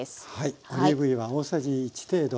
オリーブ油が大さじ１程度。